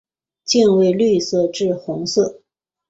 茎为绿色至红色。